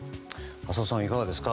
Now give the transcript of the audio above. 浅尾さんはいかがですか。